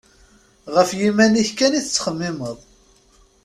Γef yiman-ik kan i tettxemmimeḍ.